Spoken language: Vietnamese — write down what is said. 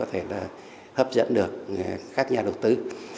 hấp dẫn được các nhà đầu tư